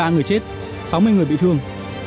một mươi ba người chết sáu mươi người bị thương